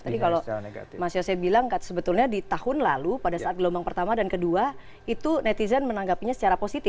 tadi kalau mas yose bilang sebetulnya di tahun lalu pada saat gelombang pertama dan kedua itu netizen menanggapinya secara positif